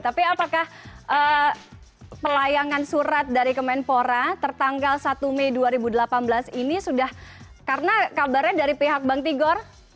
tapi apakah pelayangan surat dari kemenpora tertanggal satu mei dua ribu delapan belas ini sudah karena kabarnya dari pihak bang tigor